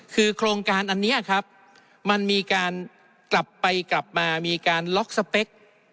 คือโครงการอันนี้ครับมันมีการกลับไปกลับมามีการล็อกสเปค